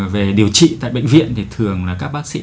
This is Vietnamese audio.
về điều trị tại bệnh viện thì thường là các bác sĩ